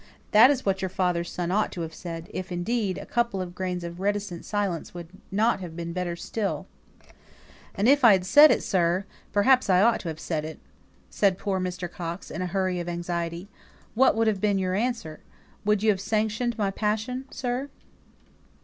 That is what your father's son ought to have said; if, indeed, a couple of grains of reticent silence wouldn't have been better still." "And if I had said it, sir perhaps I ought to have said it," said Mr. Coxe, in a hurry of anxiety, "what would have been your answer? Would you have sanctioned my passion, sir?"